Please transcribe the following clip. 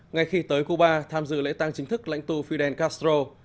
ngay khi tới cuba tham dự lễ tang chính thức lãnh tụ fidel castro